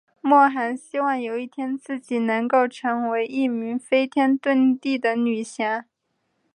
莫涵希望有一天自己能够成为一名飞天遁地的女侠。